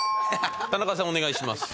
田中さんお願いします。